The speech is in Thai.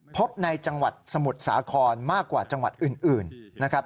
พบในจังหวัดสมุทรสาครมากกว่าจังหวัดอื่นนะครับ